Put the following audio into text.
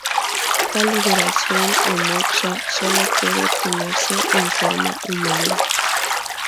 La liberación o moksha solo puede obtenerse en forma humana.